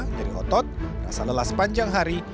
nyeri otot rasa lelah sepanjang hari